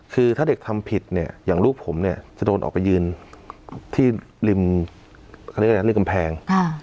คือถ้าเด็กทำผิดเนี่ยอย่างลูกผมเนี่ยจะโดนออกไปยืนที่ริมกำแพง